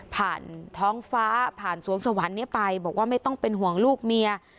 ท้องฟ้าผ่านสวงสวรรค์นี้ไปบอกว่าไม่ต้องเป็นห่วงลูกเมีย